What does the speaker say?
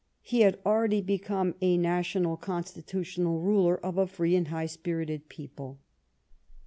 He had already become a national constitutional ruler of a free and high spirited people.